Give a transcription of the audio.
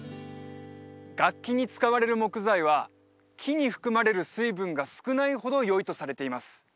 楽器に使われる木材は木に含まれる水分が少ないほどよいとされています